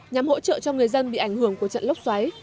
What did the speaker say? nhằm hỗ trợ cho người dân bị ảnh hưởng của trận lốc xoáy